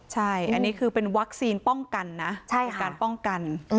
ใช่อันนี้คือเป็นวัคซีนป้องกันนะ